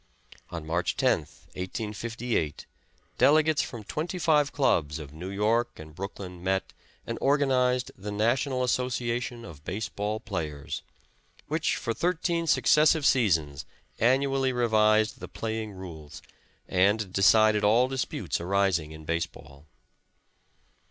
On March 10th, 1858, delegates from twenty five clubs of New York and Brooklyn met and organized the National Association of Base ball Players, which for thirteen successive seasons annually revised the playing rules, and decided all disputes arising in base ball.